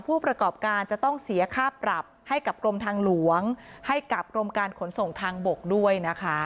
ผู้ประกอบการจะต้องเสียค่าปรับให้กับกรมทางหลวงให้กับกรมการขนส่งทางบกด้วยนะคะ